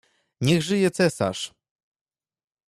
"Niech żyje cesarz!"